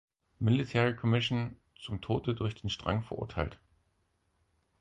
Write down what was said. Military Commission zum Tode durch den Strang verurteilt.